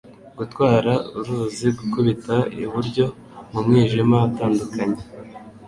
Gutwara uruzi gukubita iburyo mu mwijima utandukanya